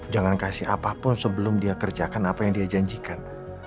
jangan kasih apapun sebelum dia kerjakan apa yang dia janjikan